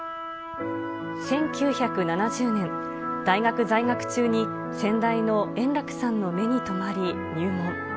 １９７０年、大学在学中に先代の圓楽さんの目に留まり、入門。